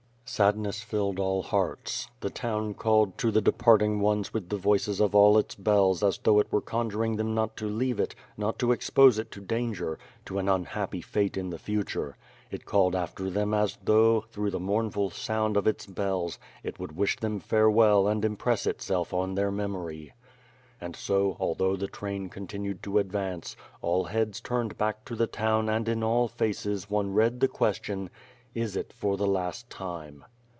Sadness filled all hearts. The town called to the depart ing ones with the voices of all its bells as though it were conjuring them not to leave it, not to expose it to danger, to an unhappy fate in the future; it called after them as though, through the mournful sound of its bells, it would wish them farewell and impress itself on their memory. ... And 80, although the train continued to advance, all heads turned back to the town and in all faces one read the ques tion : "Is it for the last time?"